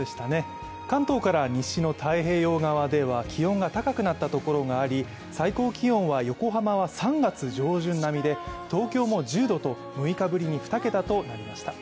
関東から西の太平洋側では気温が高くなったところがあり最高気温は横浜は３月上旬並みで東京も１０度と、６日ぶりに２桁となりました。